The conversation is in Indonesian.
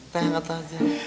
teh anget aja